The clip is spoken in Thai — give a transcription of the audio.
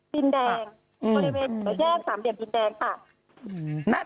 ดินแดงบริเวณหรือแยก๓เดียมดินแดงค่ะ